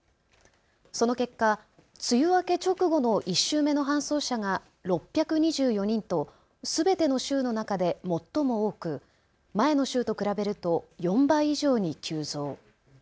その結果、梅雨明け直後の１週目の搬送者が６２４人とすべての週の中で最も多く前の週と比べると４倍以上に急増。